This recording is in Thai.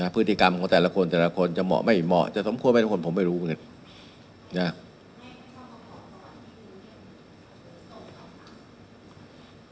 พฤติกรรมของแต่ละคนแต่ละคนจะเหมาะไม่เหมาะจะสมควรไหมทุกคนผมไม่รู้ไง